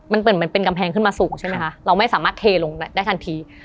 มันเหมือนเป็นกำแพงขึ้นมาสูงใช่ไหมคะเราไม่สามารถเทลงได้ทันที